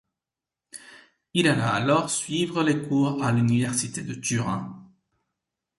Il alla alors suivre les cours à l’Université de Turin.